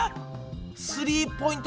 スリーポイント